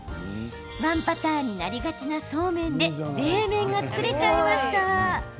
ワンパターンになりがちなそうめんで冷麺が作れちゃいました。